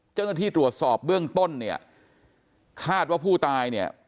เจ้าหน้าที่ตรวจสอบเบื้องต้นเนี่ยคาดว่าผู้ตายเนี่ย